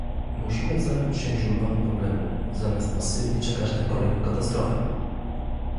Musimy zająć się źródłami problemu, zamiast pasywnie czekać na kolejną katastrofę